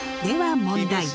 では問題。